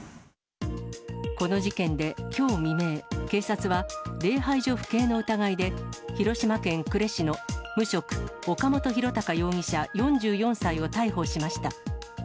この事件で、きょう未明、警察は礼拝所不敬の疑いで、広島県呉市の無職、岡本浩孝容疑者４４歳を逮捕しました。